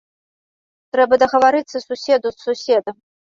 Трэба дагаварыцца суседу з суседам.